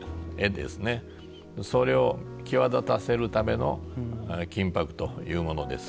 それを際立たせるための金箔というものです。